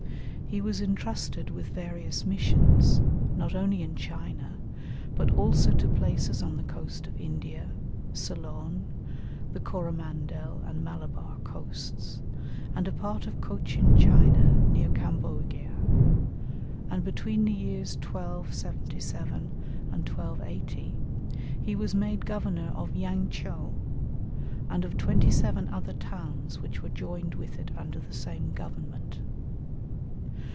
He was intrusted with various missions, not only in China, but also to places on the coast of India, Ceylon, the Coromandel and Malabar coasts, and a part of Cochin China near Cambogia, and between the years 1277 and 1280 he was made governor of Yang tcheou, and of twenty seven other towns which were joined with it under the same government.